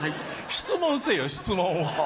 質問せぇよ質問を。